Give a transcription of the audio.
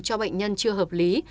cho bệnh nhân chưa hợp lý